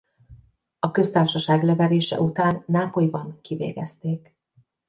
A köztársaság leverése után Nápolyban kivégezték.